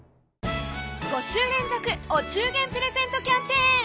５週連続お中元プレゼントキャンペーン